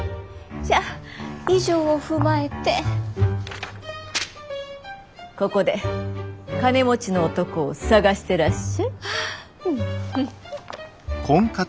じゃあ以上を踏まえてここで金持ちの男を探してらっしゃい。